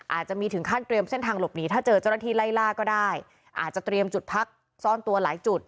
อาจจะมีถึงขั้นเตรียมเส้นทางหลบหนีถ้าเจอเจ้าหน้าที่ไล่ล่าก็ได้อาจจะเตรียมจุดพักซ่อนตัวหลายจุด